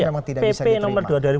memang tidak bisa diterima